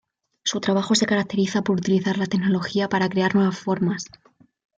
Su trabajo se caracteriza por utilizar la tecnología para crear nuevas formas.